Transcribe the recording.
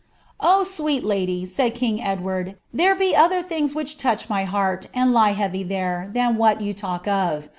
"■ Oh, Bweel lady,' said king Edward, ' there be other ihiogi whltft loueh my heart, and lie heavy there, ihan wlui you talk of.